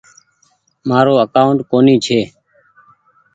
مآرو اڪآونٽ ڪونيٚ ڇي۔